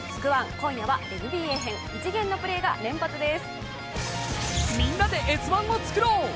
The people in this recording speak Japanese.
今夜はＮＢＡ編、異次元のプレー連発です。